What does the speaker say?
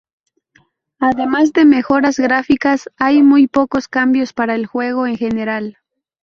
Además de mejoras gráficas, hay muy pocos cambios para el juego en general.